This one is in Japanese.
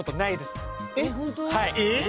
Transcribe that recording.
はい。